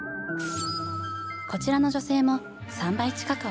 こちらの女性も３倍近くを記録。